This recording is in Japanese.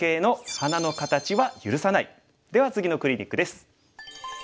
では次のクリニックです。